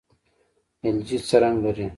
الجی څه رنګ لري؟